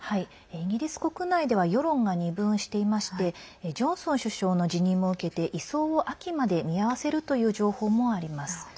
イギリス国内では世論が二分していましてジョンソン首相の辞任も受けて移送を秋まで見合わせるという情報もあります。